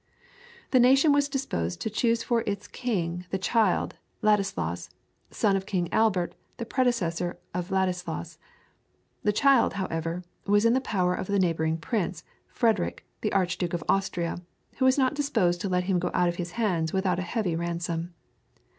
The nation was disposed to choose for its king the child, Ladislaus, son of King Albert, the predecessor of Vladislaus. The child, however, was in the power of the neighboring prince, Frederick, the Archduke of Austria, who was not disposed to let him go out of his hands without a heavy ransom.